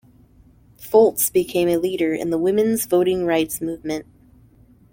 Foltz became a leader in the woman's voting rights movement.